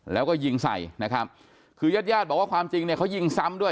แล้วก็ยิงใส่นะครับคือญาติญาติบอกว่าความจริงเนี่ยเขายิงซ้ำด้วย